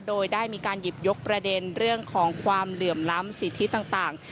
โดยได้มีการหยิบยกประเด็นเรื่องของความเหลื่อมล้ำสิทธิต่าง